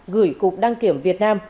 gửi cục đăng kiểm việt nam